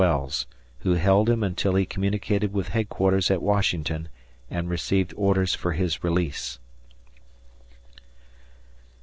Wells, who held him until he communicated with headquarters at Washington and received orders for his release.